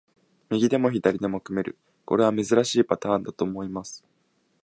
右でも左でも組める、これは珍しいパターンだと思います。